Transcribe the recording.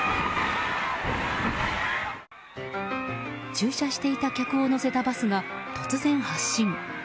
駐車していた客を乗せたバスが突然、発進。